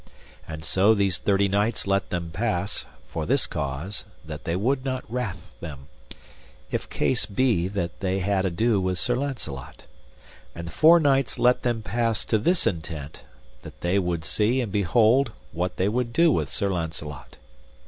And so these thirty knights let them pass, for this cause, that they would not wrath them, if case be that they had ado with Sir Launcelot; and the four knights let them pass to this intent, that they would see and behold what they would do with Sir Launcelot.